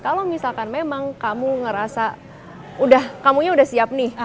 kalau misalkan memang kamu ngerasa udah kamunya udah siap nih